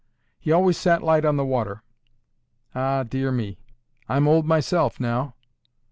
He always sat light on the water. Ah, dear me! I'm old myself now."